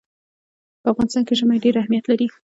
په افغانستان کې ژمی ډېر اهمیت لري.